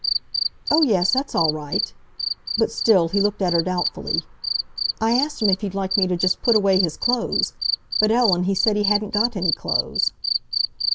"Oh, yes, that's all right." But still he looked at her doubtfully. "I asked him if he'd like me to just put away his clothes. But, Ellen, he said he hadn't got any clothes!"